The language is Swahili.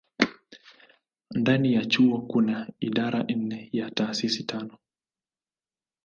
Ndani ya chuo kuna idara nne na taasisi tano.